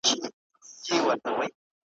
په خوله خوږ وو په زړه کوږ وو ډېر مکار وو ,